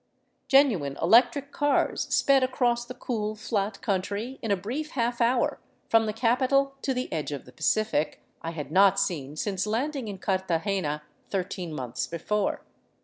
Genuine electric cars sped across the cool, flat coun try in a brief half hour, from the capital to the edge of the Pacific I had not seen since landing in Cartagena thirteen months before.